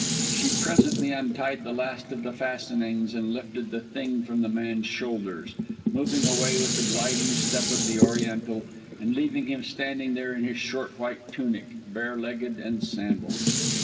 She presently untied the last of the fastenings and lifted the thing from the man's shoulders, moving away with the gliding step of the Oriental, and leaving him standing there in his short white tunic, bare legged and sandalled.